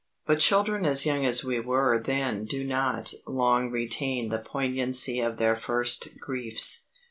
But children as young as we were then do not long retain the poignancy of their first griefs.